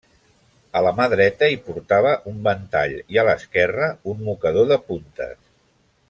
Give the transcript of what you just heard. A la mà dreta hi portava un ventall i a l'esquerra, un mocador de puntes.